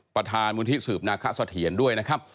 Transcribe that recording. ประธานบุญธิสืบนาคสะเถียนด้วยนะครับ